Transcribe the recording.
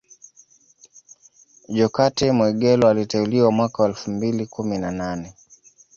Jokate Mwegelo aliteuliwa mwaka wa elfu mbili kumi na nane